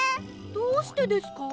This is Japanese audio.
どうしてですか？